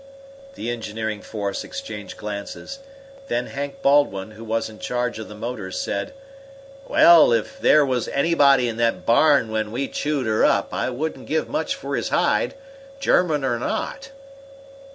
The engineering force exchanged glances. Then Hank Baldwin, who was in charge of the motors, said: "Well, if there was anybody in that barn when we chewed her up I wouldn't give much for his hide, German or not."